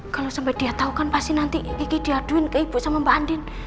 kalo sampe dia tau kan pasti nanti kiki diaduin ke ibu sama mbak andin